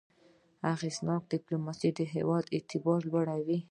اغېزناکه ډيپلوماسي د هېواد اعتبار لوړوي.